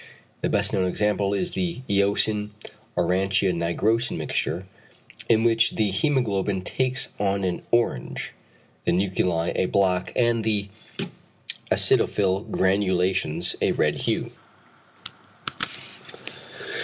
The best known example is the eosin aurantia nigrosin mixture, in which the hæmoglobin takes on an orange, the nuclei a black, and the acidophil granulations a red hue.